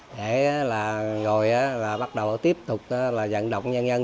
để rồi bắt đầu tiếp tục dẫn động nhân dân